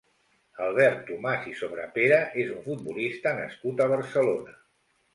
Albert Tomàs i Sobrepera és un futbolista nascut a Barcelona.